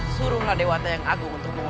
suruh dears agog untuk menguntungmu